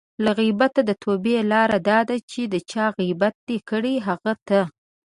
له غیبته د توبې لاره دا ده چې د چا غیبت دې کړی؛ هغه ته